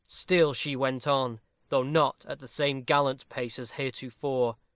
Still she went on, though not at the same gallant pace as heretofore.